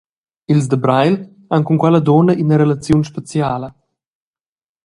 Ils da Breil han cun quella dunna ina relaziun speciala.